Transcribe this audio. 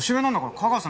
架川さん？